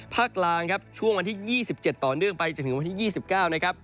กลางครับช่วงวันที่๒๗ต่อเนื่องไปจนถึงวันที่๒๙นะครับ